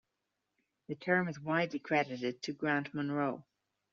The term is widely credited to Grant Munro.